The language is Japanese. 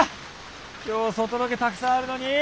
今日外ロケたくさんあるのに！